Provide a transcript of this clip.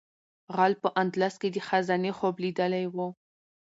غل په اندلس کې د خزانې خوب لیدلی و.